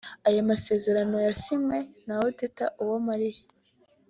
Ayo masezerano yasinywe na Odette Uwamariya